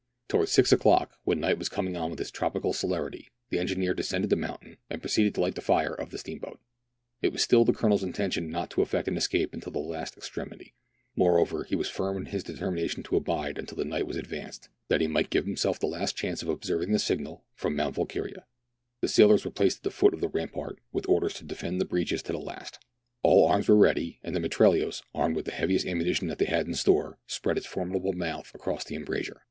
Towards six o'clock, when night was coming on with its tropical celerity, the engineer descended the mountain, and proceeded to light the fire of the steamboat. It was 204 meridiana; the adventures of still the Colonel's intention not to effect an escape until the last extremity : moreover, he was firm in his determina tion to abide until the night was advanced, that he might give himself the last chance of observing the signal from Mount Volquiria. The sailors were placed at the foot of the rampart, with orders to defend the breaches to the last. All arms were ready, and the mitrailleuse, armed with the heaviest ammunition that they had in store, spread its formidable mouth across the embrasure.